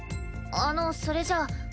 あのそれじゃあ